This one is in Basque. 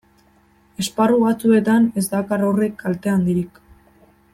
Esparru batzuetan ez dakar horrek kalte handirik.